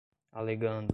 alegando